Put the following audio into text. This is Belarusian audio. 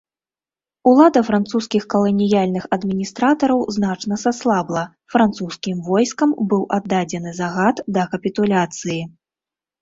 Улада французскіх каланіяльных адміністратараў значна саслабла, французскім войскам быў аддадзены загад да капітуляцыі.